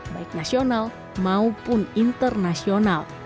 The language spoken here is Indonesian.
baik nasional maupun internasional